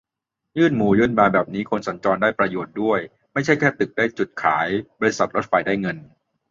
ยื่นหมูยื่นแมวแบบนี้คนสัญจรได้ประโยชน์ด้วย ไม่ใช่แค่ตึกได้จุดขาย บริษัทรถไฟได้เงิน